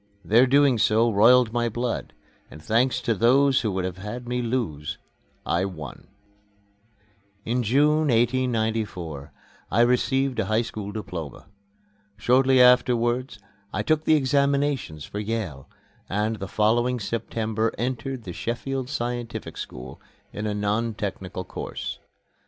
Their doing so roiled my blood, and thanks to those who would have had me lose, I won. In June, 1894, I received a high school diploma. Shortly afterwards I took my examinations for Yale, and the following September entered the Sheffield Scientific School, in a non technical course.